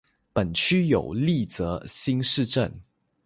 本区有立泽新市镇。